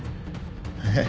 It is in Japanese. えっ？